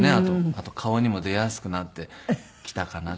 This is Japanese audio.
あと顔にも出やすくなってきたかなと。